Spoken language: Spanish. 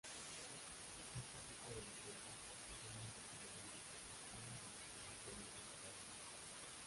Este tipo de defensas son muy recomendables pues pueden almacenar gran cantidad de energía.